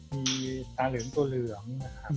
มีตาเหลืองตัวเหลือง